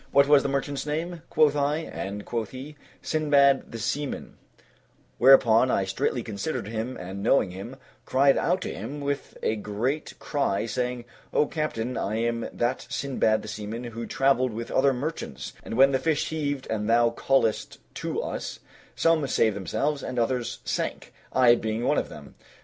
"What was the merchant's name?" quoth I, and quoth he, "Sindbad the Seaman"; whereupon I straitly considered him and knowing him, cried out to him with a great cry, saying, "O captain, I am that Sindbad the Seaman who traveled with other merchants; and when the fish heaved and thou calledst to us, some saved themselves and others sank, I being one of them.